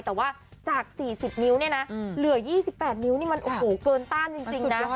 แต่ว่าจาก๔๐นิ้วเนี่ยนะเหลือ๒๘นิ้วนี่มันโอ้โหเกินต้านจริงนะ